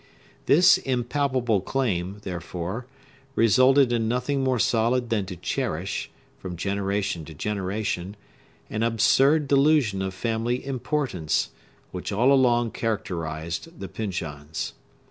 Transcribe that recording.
This impalpable claim, therefore, resulted in nothing more solid than to cherish, from generation to generation, an absurd delusion of family importance, which all along characterized the Pyncheons.